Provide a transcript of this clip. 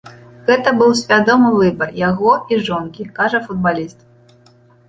Гэта быў свядомы выбар яго і жонкі, кажа футбаліст.